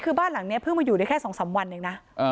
คือบ้านหลังนี้เพิ่งมาอยู่ได้แค่๒๓วันเองนะ